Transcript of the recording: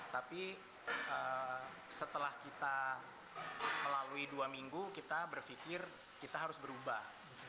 tapi setelah kita melalui dua minggu kita berpikir kita harus berubah